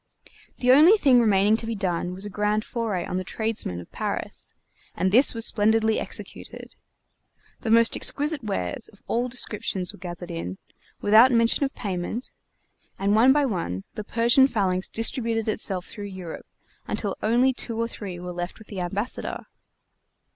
The only thing remaining to be done was a grand foray on the tradesmen of Paris, and this was splendidly executed. The most exquisite wares of all descriptions were gathered in, without mention of payment; and one by one the Persian phalanx distributed itself through Europe until only two or three were left with the Ambassador.